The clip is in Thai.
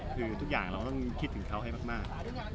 คือทุกอย่างเราต้องคิดถึงเขาให้มาก